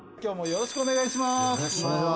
よろしくお願いします。